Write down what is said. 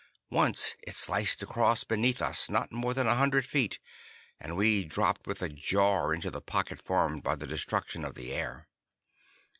Once it sliced across beneath us, not more than a hundred feet, and we dropped with a jar into the pocket formed by the destruction of the air.